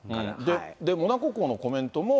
モナコ公のコメントも。